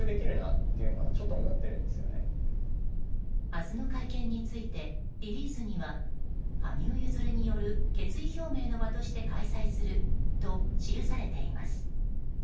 明日の会見についてリリースには羽生結弦による決意表明の場として開催すると記されています。